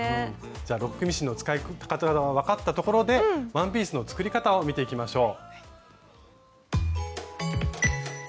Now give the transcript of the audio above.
じゃあロックミシンの使い方が分かったところでワンピースの作り方を見ていきましょう。